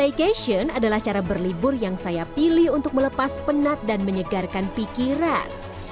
staycation adalah cara berlibur yang saya pilih untuk melepas penat dan menyegarkan pikiran